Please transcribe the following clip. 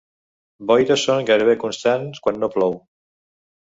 Boires són gairebé constants quan no plou.